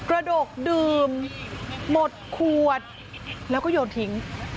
ระดกดื่มหมดขวดแล้วก็โยนทิ้ง